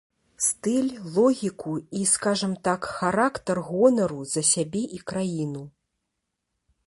Стыль, логіку і, скажам так, характар гонару за сябе і краіну.